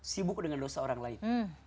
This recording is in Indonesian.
sibuk dengan dosa orang lain